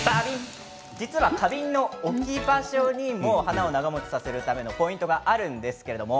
実は花瓶の置き場所にも花を長もちさせるポイントがあるんです。